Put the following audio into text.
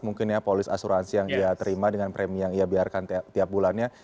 mungkin ya polis asuransi yang dia terima dengan premi yang ia biarkan tiap bulannya